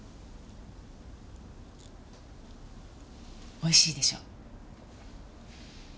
美味しいでしょ？